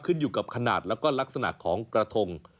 ขึ้นอยู่กับขนาดแล้วก็ลักษณะของกระทง